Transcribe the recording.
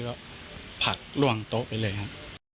ก็ผักล่วงโต๊ะไปเลยครับ